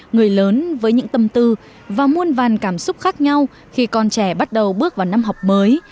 người lớn với những tâm tư và muôn vàn cảm xúc khác nhau khi con trẻ bắt đầu bước vào năm học mới